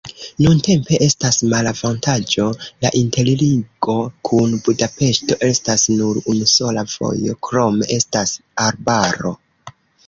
Nuntempe estas malavantaĝo, la interligo kun Budapeŝto estas nur unusola vojo, krome estas arbaro.